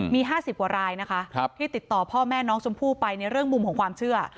มี๕๐กว่ารายนะคะที่ติดต่อพ่อแม่น้องชมพู่ไปในเรื่องมุมของความเชื่อ